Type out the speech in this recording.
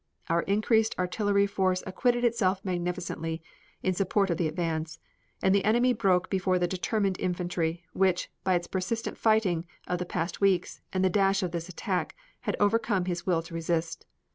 Our increased artillery force acquitted itself magnificently in support of the advance, and the enemy broke before the determined infantry, which, by its persistent fighting of the past weeks and the dash of this attack, had overcome his will to resist.